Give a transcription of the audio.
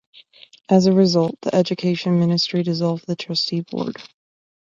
As a result, the education ministry dissolved the trustee board.